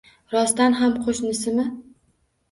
Rostdan ham qo`shnisimi